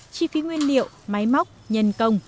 chi phí nguyên liệu máy móc nhân công